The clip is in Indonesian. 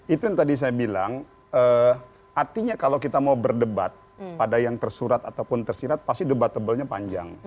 itu yang tadi saya bilang artinya kalau kita mau berdebat pada yang tersurat ataupun tersirat pasti debatable nya panjang